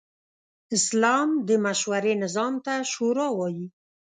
اسلام د مشورې نظام ته “شورا” وايي.